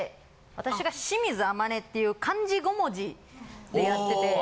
私が清水亜真音っていう漢字５文字でやってて。